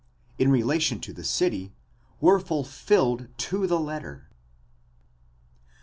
44), in relation to the city, were fulfilled to the letter.